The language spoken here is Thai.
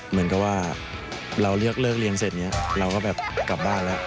เหมือนกับว่าเราเลือกเรียนเสร็จเนี่ยเราก็แบบกลับบ้านแล้ว